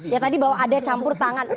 ya tadi bahwa ada campur tangan